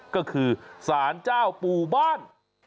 ก็คือสารเจ้าปู่บ้าน